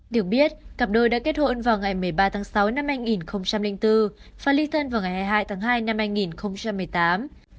điều biết cặp đôi đã kết hôn vào ngày một mươi ba tháng sáu năm hai nghìn bốn và ly thân vào ngày hai mươi hai tháng hai năm hai nghìn một mươi tám